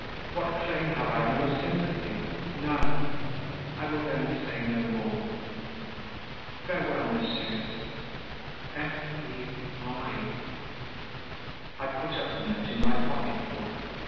What claim have I on your sympathy? None; I will then say no more. "Farewell, Monsieur. "F. E. HENRI." I put up the note in my pocket book.